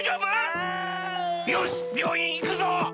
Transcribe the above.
あ。よしびょういんいくぞ！